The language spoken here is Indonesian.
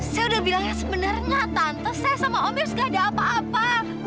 saya udah bilangnya sebenarnya tante saya sama omels gak ada apa apa